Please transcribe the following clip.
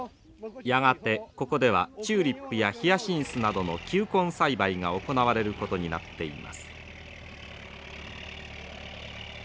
やがてここではチューリップやヒヤシンスなどの球根栽培が行われることになっています。